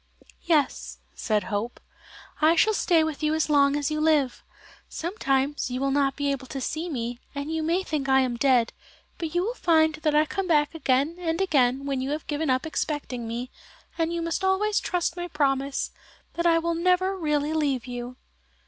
"Yes," said Hope, "I shall stay with you as long as you live. Sometimes you will not be able to see me, and you may think I am dead, but you will find that I come back again and again when you have given up expecting me, and you must always trust my promise that I will never really leave you."